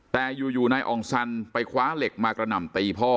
แต่อยู่นายอ่องซันไปคว้าเหล็กมากระหน่ำตีพ่อ